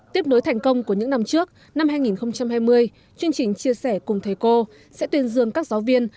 tiếp nối thành công của những năm trước năm hai nghìn hai mươi chương trình chia sẻ cùng thầy cô sẽ tuyên dương các giáo viên